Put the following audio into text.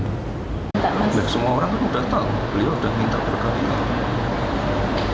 ya semua orang kan udah tahu beliau udah minta perkawinan